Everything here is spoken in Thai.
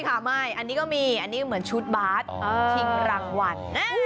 ไม่ค่ะไม่อันนี้ก็มีอันนี้คือเหมือนชุดบาสทิ่งรางวัล